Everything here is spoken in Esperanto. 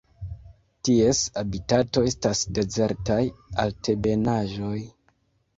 Ties habitato estas dezertaj altebenaĵoj.